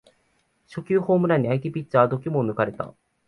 初球ホームランに相手ピッチャーは度肝を抜かれた